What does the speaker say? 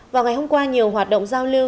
vào ngày hôm qua nhiều hoạt động giao lưu